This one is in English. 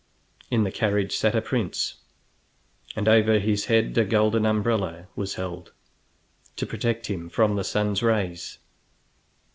In the carriage sat a prince, and over his head a golden umbrella was held, to protect him from the sun's rays.